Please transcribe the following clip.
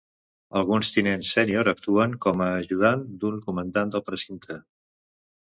Alguns tinents sènior actuen com a ajudant d'un comandant del precinte.